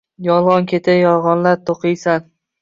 Yolgʻon ketidan yolgʻonlar toʻqiysan.